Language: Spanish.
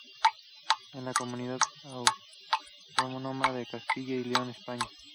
En la comunidad autónoma de Castilla y León, España.